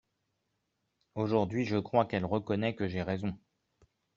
Aujourd’hui, je crois qu’elle reconnaît que j’ai raison.